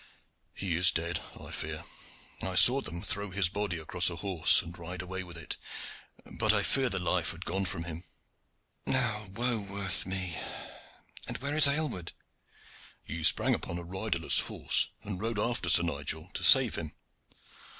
"He is dead, I fear. I saw them throw his body across a horse and ride away with it, but I fear the life had gone from him." "Now woe worth me! And where is Aylward?" "He sprang upon a riderless horse and rode after Sir Nigel to save him.